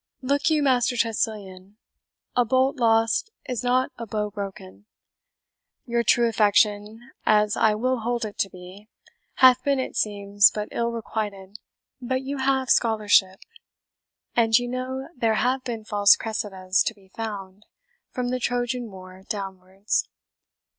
look you, Master Tressilian, a bolt lost is not a bow broken. Your true affection, as I will hold it to be, hath been, it seems, but ill requited; but you have scholarship, and you know there have been false Cressidas to be found, from the Trojan war downwards.